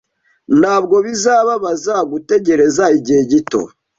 Ntabwo bizababaza gutegereza igihe gito.